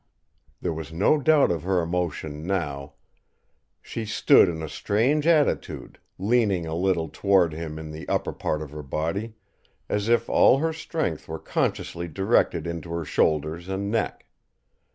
There was no doubt of her emotion now. She stood in a strange attitude, leaning a little toward him in the upper part of her body, as if all her strength were consciously directed into her shoulders and neck.